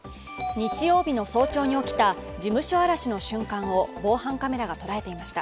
日曜日の早朝に起きた事務所荒らしの瞬間を防犯カメラが捉えていました。